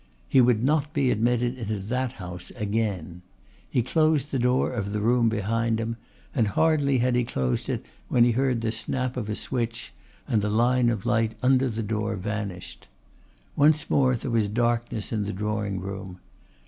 He would not be admitted into that house again. He closed the door of the room behind him, and hardly had he closed it when he heard the snap of a switch and the line of light under the door vanished. Once more there was darkness in the drawing room.